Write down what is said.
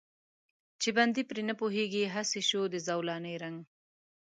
چې بندي پرې نه پوهېږي، هسې شو د زولانې رنګ.